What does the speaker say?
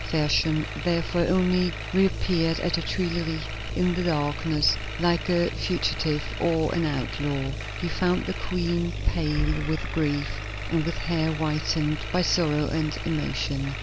Fersen, therefore, only reappeared at the Tuileries in the darkness, like a fugitive or an outlaw. He found the Queen pale with grief and with hair whitened by sorrow and emotion.